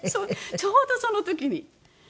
ちょうどその時に。